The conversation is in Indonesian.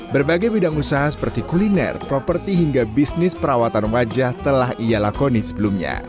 berbagai bidang usaha seperti kuliner properti hingga bisnis perawatan wajah telah ia lakoni sebelumnya